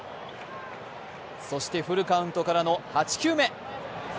そしてフルカウントからの８球目。